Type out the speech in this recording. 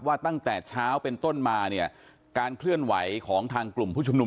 ว่าตั้งแต่เช้าเป็นต้นมาเนี่ยการเคลื่อนไหวของทางกลุ่มผู้ชุมนุม